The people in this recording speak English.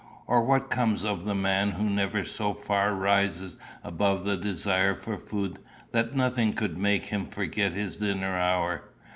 Or what comes of the man who never so far rises above the desire for food that nothing could make him forget his dinner hour?